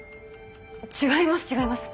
違います